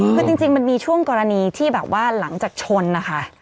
คือจริงมันมีช่วงกรณีที่แบบว่าหลังจากชนนะคะ